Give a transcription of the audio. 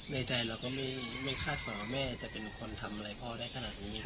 ในใจเราก็ไม่คาดฝันว่าแม่จะเป็นคนทำอะไรพ่อได้ขนาดนี้